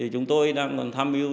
chúng tôi đang tham mưu